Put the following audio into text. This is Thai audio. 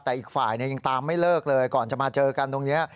แต่อีกฝ่ายยังตามไม่เลิกเลยก่อนจะมาเจอกันตรงนี้